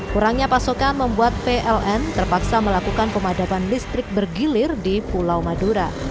kurangnya pasokan membuat pln terpaksa melakukan pemadaman listrik bergilir di pulau madura